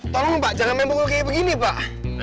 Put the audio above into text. tolong pak jangan main pokok kayak begini pak